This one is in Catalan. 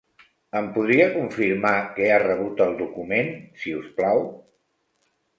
Em podria confirmar que ha rebut el document, si us plau?